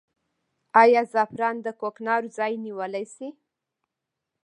آیا زعفران د کوکنارو ځای نیولی شي؟